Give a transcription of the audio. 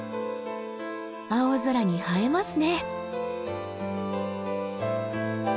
青空に映えますね。